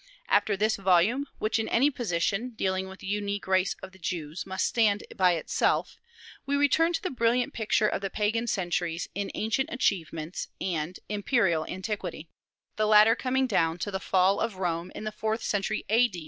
After this volume, which in any position, dealing with the unique race of the Jews, must stand by itself, we return to the brilliant picture of the Pagan centuries, in "Ancient Achievements" and "Imperial Antiquity," the latter coming down to the Fall of Rome in the fourth century A.